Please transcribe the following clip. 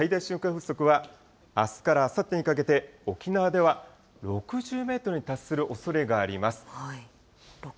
風速は、あすからあさってにかけて、沖縄では６０メートルに達するおそれがあります。